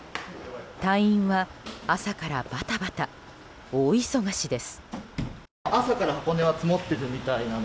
隊員は朝からバタバタ大忙しです。